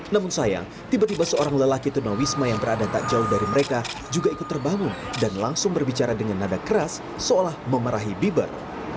namun sayang tiba tiba seorang lelaki tunawisma yang berada tak jauh dari mereka juga ikut terbangun dan langsung berbicara dengan nada keras seolah memarahi bibir